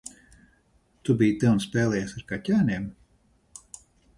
Tu biji te un spēlējies ar kaķēniem?